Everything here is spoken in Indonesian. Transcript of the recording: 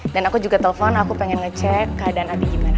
dan aku juga telpon aku pengen ngecek keadaan abi gimana